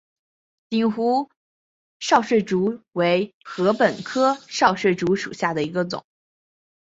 鼎湖少穗竹为禾本科少穗竹属下的一个种。